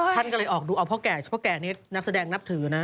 ท่านก็เลยออกดูเอาพ่อแก่เฉพาะแก่นี้นักแสดงนับถือนะ